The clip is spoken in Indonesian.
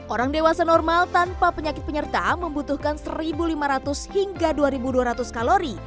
orang dewasa normal tanpa penyakit penyerta membutuhkan satu lima ratus hingga dua dua ratus kalori